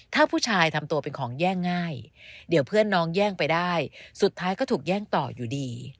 ถ้าผู้ชายทำตัวเป็นของแย่งง่ายเดี๋ยวเพื่อนน้องแย่งไปได้สุดท้ายก็ถูกแย่งต่ออยู่ดี